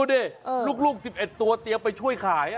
นั่นดูสิลุง๑๑ตัวเตรียมไปช่วยขาย